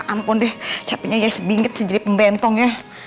ampun deh capeknya ya sebinget sejadi pembentong ya